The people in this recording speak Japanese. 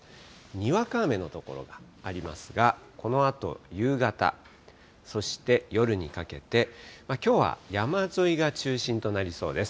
にわか雨の所がありますが、このあと夕方、そして夜にかけて、きょうは山沿いが中心となりそうです。